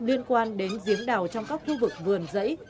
liên quan đến giếng đào trong các khu vực vườn dẫy